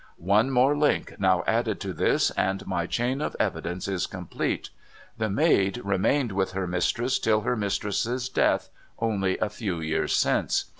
One more link now added to this, and my chain of evidence is complete. The maid remained with her mistress till her mistress's death, only a few years since.